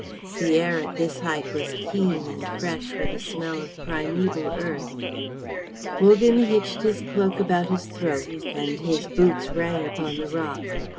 The air at this height was keen and fresh with a smell of primeval earth. Wogan hitched his cloak about his throat, and his boots rang upon the rock.